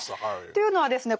というのはですね